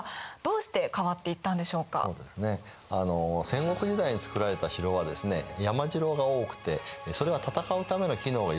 戦国時代に造られた城は山城が多くてそれは戦うための機能が優先なんですね。